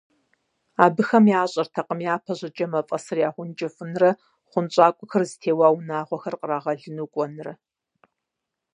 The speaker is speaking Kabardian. Абыхэм ящӀэртэкъым япэ щӀыкӀэ мафӀэсыр ягъэункӀыфӀынрэ хъунщӀакӀуэхэр зытеуа унагъуэхэр кърагъэлыну кӀуэнрэ.